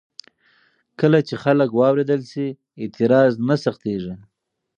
کله چې خلک واورېدل شي، اعتراض نه سختېږي.